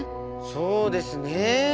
そうですね！